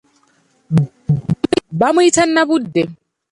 Bamuyita Nnabudde.